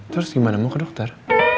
terus gimana mau ke dokter